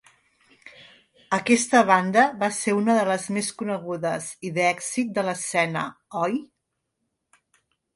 Aquesta banda va ser una de les més conegudes i d’èxit de l'escena Oi!